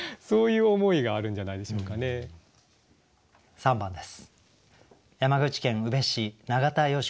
３番です。